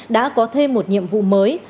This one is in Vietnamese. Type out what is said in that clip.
đã có thêm một nhiệm vụ mới